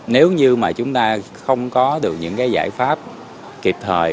nếu như mà chúng ta không có được những cái giải pháp kịp thời